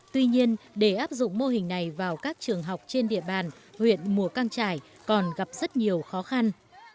tuy nhiên để áp dụng mô hình này vào các trường học trên địa bàn huyện mù căng trải còn gặp rất nhiều khó khăn